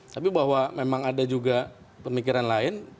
tapi bahwa memang ada juga pemikiran lain